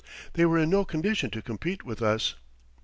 They were in no condition to compete with us.